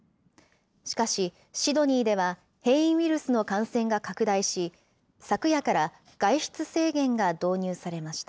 しかしシドニーでは、変異ウイルスの感染が拡大し、昨夜から外出制限が導入されました。